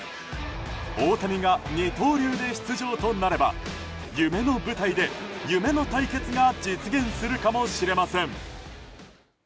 大谷が二刀流で出場となれば夢の舞台で夢の対決が実現するかもしれません。